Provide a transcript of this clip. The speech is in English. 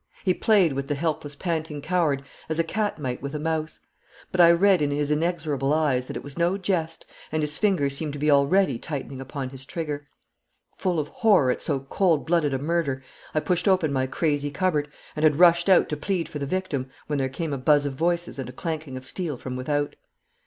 He played with the helpless panting coward as a cat might with a mouse; but I read in his inexorable eyes that it was no jest, and his finger seemed to be already tightening upon his trigger. Full of horror at so cold blooded a murder, I pushed open my crazy cupboard, and had rushed out to plead for the victim, when there came a buzz of voices and a clanking of steel from without.